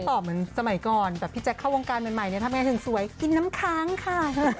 ตอบเหมือนสมัยก่อนแต่พี่แจ๊คเข้าวงการใหม่เนี่ยทำไงถึงสวยกินน้ำค้างค่ะ